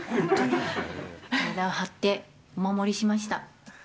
体を張ってお守りしました。